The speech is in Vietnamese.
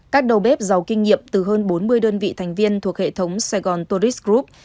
các đầu bếp giàu kinh nghiệm từ hơn bốn mươi đơn vị thành viên thuộc hệ thống sài gòn tourist group